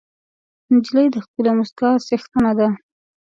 نجلۍ د ښکلې موسکا څښتنه ده.